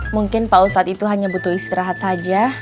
mungkin pak ustadz itu hanya butuh istirahat saja